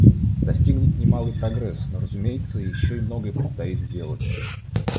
Достигнут немалый прогресс, но, разумеется, еще и многое предстоит сделать.